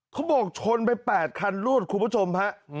เขาบอกชนไป๘คันรวดคุณผู้ชมฮะ